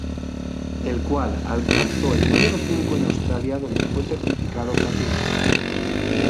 El cual alcanzó el número cinco en Australia, donde fue certificado Platino.